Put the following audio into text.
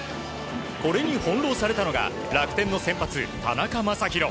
これに翻弄されたのが楽天の先発、田中将大。